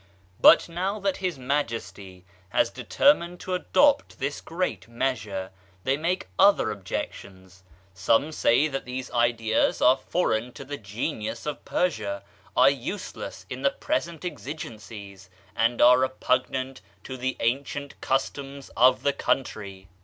But now that his majesty has determined to adopt this great measure, they make other objec tions. Some say that these ideas are foreign to the genius of Persia, are useless in the present exigencies, and are repugnant to the ancient cus toms of the country.